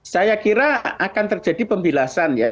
saya kira akan terjadi pembilasan ya